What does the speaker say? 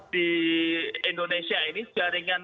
di indonesia ini jaringan